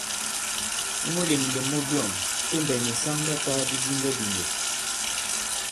I mulèmlèm mu byɔ̂ŋ, Tembɛ̀ nì saŋ ɓa tāā bidiŋgɛdìŋgɛ̀.